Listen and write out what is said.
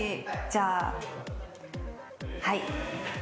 じゃあはい。